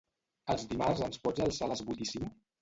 Els dimarts ens pots alçar a les vuit i cinc?